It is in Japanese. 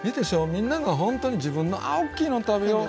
みんながほんとに自分のあっおっきいの食べよう。